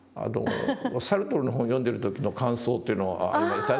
サルトルの本を読んでる時の感想というのがありましたね。